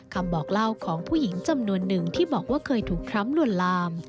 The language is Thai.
คำบอกเล่าของผู้หญิงจำนวนหนึ่งที่บอกว่าเคยถูกทรัมป์ลวนลาม